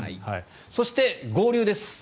そして合流です。